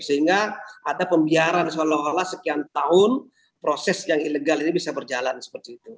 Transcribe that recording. sehingga ada pembiaran seolah olah sekian tahun proses yang ilegal ini bisa berjalan seperti itu